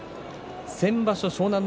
先場所は湘南乃